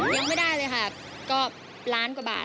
ยังไม่ได้เลยค่ะก็ล้านกว่าบาท